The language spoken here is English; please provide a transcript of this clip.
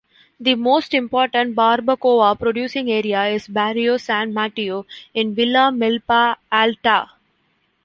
The most important barbacoa producing area is Barrio San Mateo in Villa Milpa Alta.